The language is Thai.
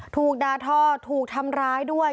ถูกดาท่อถูกทำร้ายด้วย